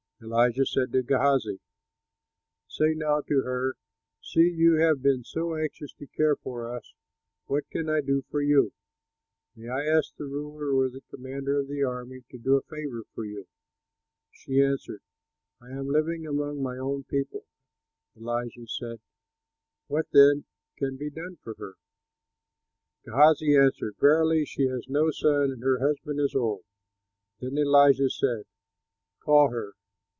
Elisha said to Gehazi, "Say now to her, 'See, you have been so anxious to care for us; what can be done for you? May I ask the ruler or the commander of the army to do a favor for you?'" She answered, "I am living among my own people." Elisha said, "What then can be done for her?" Gehazi answered, "Verily, she has no son, and her husband is old." Then Elisha said, "Call her."